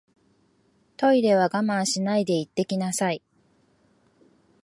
トイレは我慢しないで行ってきなさい